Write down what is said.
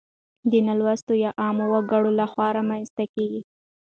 د نالوستو يا عامو وګړو لخوا رامنځته کيږي.